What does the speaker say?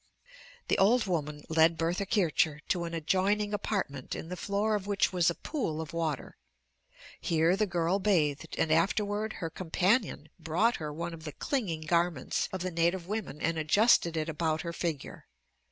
The old woman led Bertha Kircher to an adjoining apartment in the floor of which was a pool of water. Here the girl bathed and afterward her companion brought her one of the clinging garments of the native women and adjusted it about her figure.